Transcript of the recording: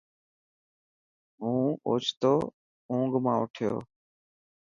هون اوڇتو اونگ منا اٺيو.